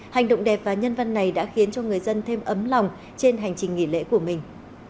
hành động đẹp và nhân văn này đã khiến cho người dân thêm ấm lòng trên hành trình nghỉ lễ của mình